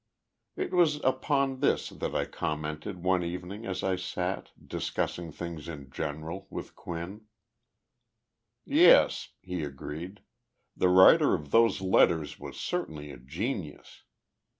It was upon this that I commented one evening as I sat, discussing things in general, with Quinn. "Yes," he agreed, "the writer of those letters was certainly a genius.